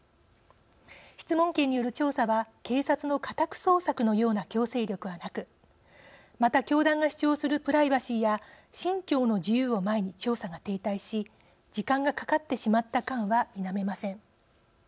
質問権による調査は警察の家宅捜索のような強制力はなくまた教団が主張するプライバシーや信教の自由を前に調査が停滞し時間がかかってしまった感は否めません。